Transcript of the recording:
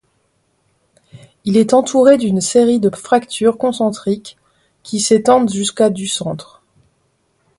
Il est entouré d'une série de fractures concentriques, qui s'étendent jusqu'à du centre.